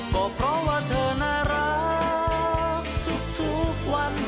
ก็เพราะว่าเธอน่ารักทุกวัน